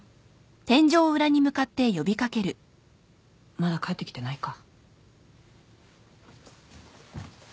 まだ帰ってきてないか。